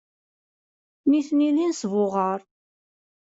Nitni d inesbuɣar.